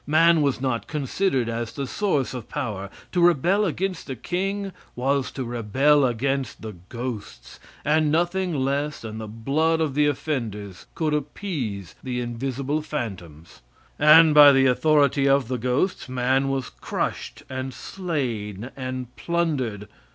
Man was not considered as the source of power; to rebel against the king was to rebel against the ghosts, and nothing less than the blood of the offenders could appease the invisible phantoms and by the authority of the ghosts man was crushed and slayed and plundered.